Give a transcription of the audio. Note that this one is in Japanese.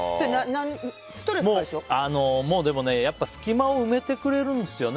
隙間を埋めてくれるんですね。